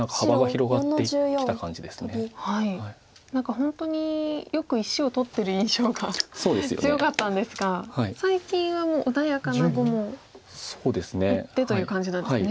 本当によく石を取ってる印象が強かったんですが最近はもう穏やかな碁も打ってという感じなんですね。